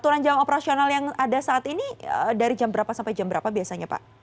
aturan jam operasional yang ada saat ini dari jam berapa sampai jam berapa biasanya pak